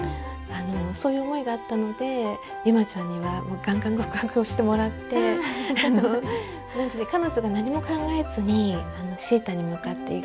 そういう思いがあったので由舞ちゃんにはガンガン告白をしてもらって彼女が何も考えずに椎太に向かっていく